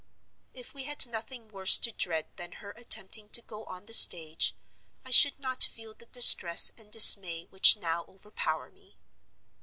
"If we had nothing worse to dread than her attempting to go on the stage, I should not feel the distress and dismay which now overpower me.